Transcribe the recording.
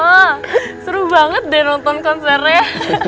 wah seru banget deh nonton konsernya